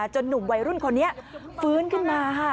หนุ่มวัยรุ่นคนนี้ฟื้นขึ้นมาค่ะ